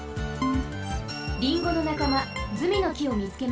リンゴのなかまズミのきをみつけました。